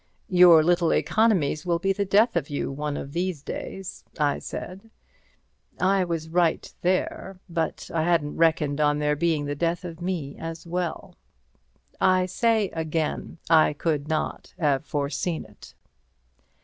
"Your little economies will be the death of you one of these days," I said. I was right there, but I hadn't reckoned on their being the death of me as well. I say again, I could not have foreseen it.